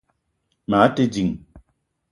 Maa te ding